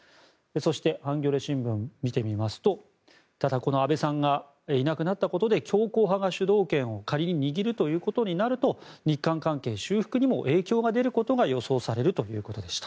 そして、ハンギョレ新聞見てみますとただ、この安倍さんがいなくなったことで強硬派が主導権を仮に握るということになると日韓関係修復にも影響が出ることが予想されるということです。